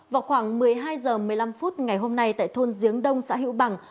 vào khoảng một mươi hai h một mươi năm phút ngày hôm nay tại thôn giếng đông xã hữu bằng